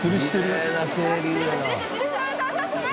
きれいな清流やな。